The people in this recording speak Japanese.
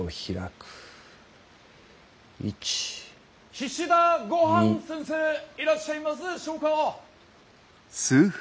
・岸田ゴハン先生いらっしゃいますでしょうか。